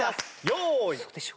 用意。